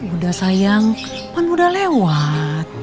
udah sayang kan udah lewat